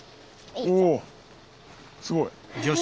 おすごい！